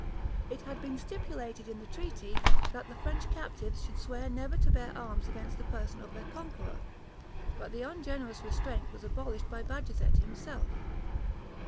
It had been stipulated in the treaty, that the French captives should swear never to bear arms against the person of their conqueror; but the ungenerous restraint was abolished by Bajazet himself.